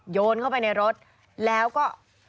โยนเข้าไปในรถแล้วก็